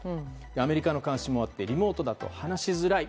アメリカの監視もあってリモートだと話しづらい。